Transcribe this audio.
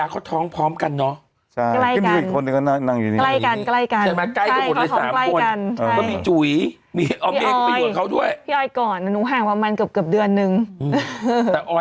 อาจารย์ต้องเกาะหาพ่อเลยอาจารย์ต้องเกาะหาพ่อเลย